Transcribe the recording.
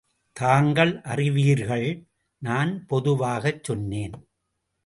தாங்கள் அறிவீர்கள்!... நான் பொதுவாகச் சொன்னேன்.